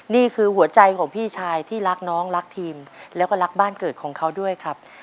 นี่คือหัวใจของพี่ชายที่รักน้องรักทีมแล้วก็รักบ้านเกิดของเขาด้วยครับ